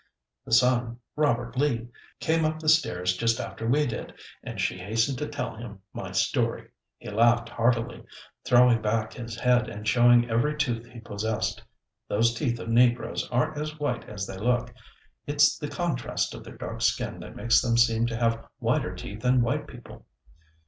The son, Robert Lee, came up the stairs just after we did, and she hastened to tell him my story. He laughed heartily, throwing back his head, and showing every tooth he possessed those teeth of negroes aren't as white as they look. It's the contrast of their dark skin that makes them seem to have whiter teeth than white people.